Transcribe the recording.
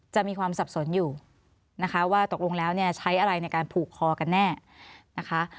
จะมีความสับสนอยู่นะคะว่าตกลงแล้วเนี่ยใช้อะไรในการผูกคอกันแน่นะคะ